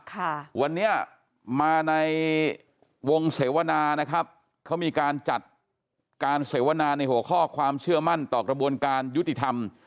ค่ะวันนี้มาในวงเสวนานะครับเขามีการจัดการเสวนาในหัวข้อความเชื่อมั่นต่อกระบวนการยุติธรรม